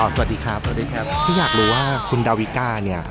สวัสดีครับสวัสดีครับที่อยากรู้ว่าคุณดาวิกาเนี่ย